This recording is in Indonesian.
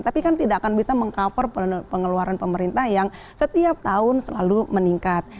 tapi kan tidak akan bisa meng cover pengeluaran pemerintah yang setiap tahun selalu meningkat